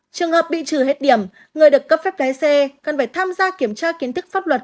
trường hợp bị trừ hết điểm người được cấp phép lái xe cần phải tham gia kiểm tra kiến thức pháp luật